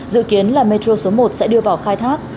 dự kiến là metro số một sẽ đưa vào khai thác